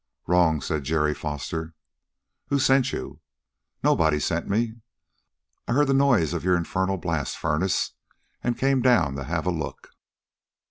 "Wrong," said Jerry Foster. "Who sent you?" "Nobody sent me. I heard the noise of your infernal blast furnace and came down to have a look."